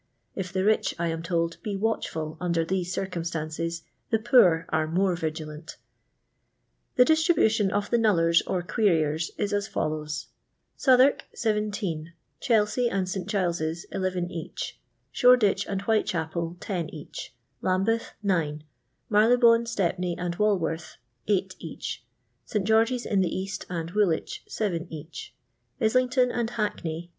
If the rich, I am told, be watchful under these circumstances, the poor are more vigilant. The distribution of the knullen or querien is as follows :— Southwark (17), Chelsea and St. Giles' (11 each), Shoreditch and Whitechapel (10 each), Lambeth (9), Marylebone, Stepney and Walworth (8 each), St. George's in the East and Woolwich (7 each), Islington and Hackney (6 each).